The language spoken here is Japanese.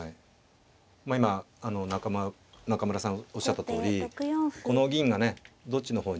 今中村さんおっしゃったとおりこの銀がねどっちの方に行くか。